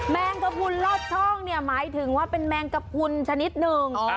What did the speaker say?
แมงกระพุนลอดช่องเนี่ยหมายถึงว่าเป็นแมงกระพุนชนิดหนึ่ง